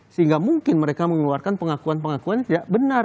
sehingga mungkin mereka mengeluarkan pengakuan pengakuan yang tidak benar